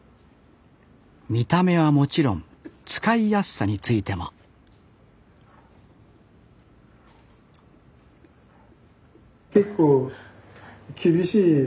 見た目はもちろん使いやすさについても結構厳しい見方する。